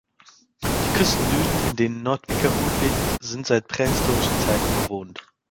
Die Küstendünen, in denen Noordwijkerhout liegt, sind seit prähistorischen Zeiten bewohnt.